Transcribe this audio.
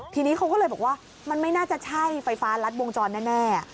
ทีนี้เขาก็เลยบอกว่ามันไม่น่าจะใช่ไฟฟ้ารัดวงจรแน่